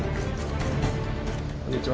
こんにちは。